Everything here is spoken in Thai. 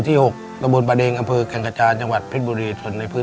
ในแคมเปญพิเศษเกมต่อชีวิตโรงเรียนของหนู